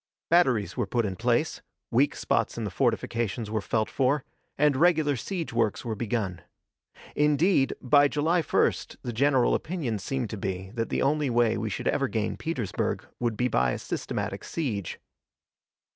Batteries were put in place, weak spots in the fortifications were felt for, and regular siege works were begun. Indeed, by July 1st the general opinion seemed to be that the only way we should ever gain Petersburg would be by a systematic siege.